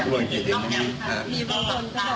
คนลุกก็เห็นหรือเปล่า